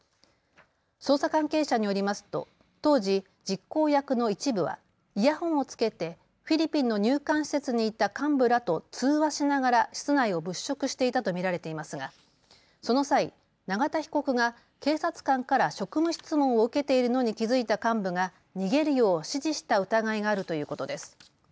捜査関係者によりますと当時、実行役の一部はイヤホンをつけてフィリピンの入管施設にいた幹部らと通話しながら室内を物色していたと見られていますがその際、永田被告が警察官から職務質問を受けているのに気付いた幹部が逃げるよう指示した疑いがあるということです。